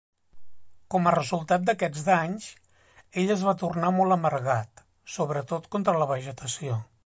Com a resultat d'aquests danys, ell es va tornar mol amargat, sobretot contra la vegetació.